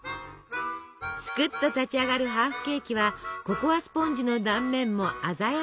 すくっと立ち上がるハーフケーキはココアスポンジの断面も鮮やか！